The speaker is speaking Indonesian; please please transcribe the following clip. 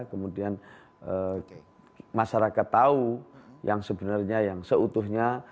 kemudian masyarakat tahu yang sebenarnya yang seutuhnya